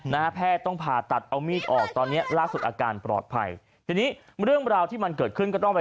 นะฮะแพทย์ต้องผ่าตัดเอามีดออก